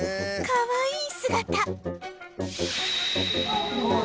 かわいい！